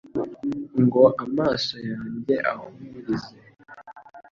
ngo amaso yanjye ahumirize